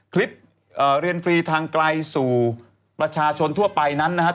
คลิปเรียนฟรีทางไกลสู่ประชาชนทั่วไปนั้นนะครับ